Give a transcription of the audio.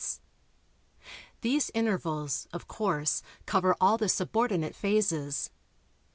These intervals, of course, cover all the subordinate phases.